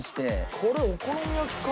これお好み焼きか？